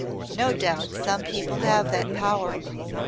No doubt some people have that power.